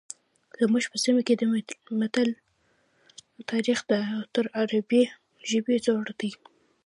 زموږ په سیمه کې د متل تاریخ تر عربي ژبې زوړ دی